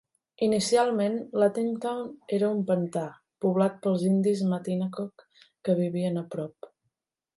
Inicialment, Lattingtown era un pantà, poblat pels indis Matinecock que vivien a prop.